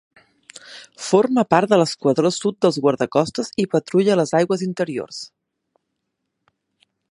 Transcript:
Forma part de l'esquadró sud dels guardacostes i patrulla les aigües interiors.